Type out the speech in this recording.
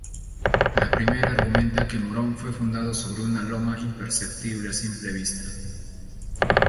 La primera argumenta que Morón fue fundado sobre una loma imperceptible a simple vista.